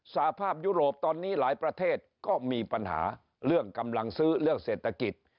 สภาพยุโรปตอนนี้หลายประเทศก็มีปัญหาเรื่องกำลังซื้อเรื่องเศรษฐกิจ